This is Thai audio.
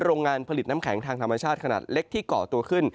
โรงงานผลิตน้ำแข็งทางธรรมชาติขนาดเล็กที่ก่อตัวขึ้น